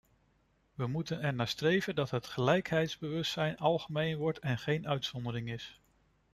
We moeten ernaar streven dat het gelijkheidsbewustzijn algemeen wordt en geen uitzondering is.